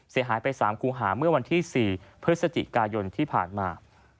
เสียหายไป๓คู่หาเมื่อวันที่๔พฤศจิกายนที่ผ่านมา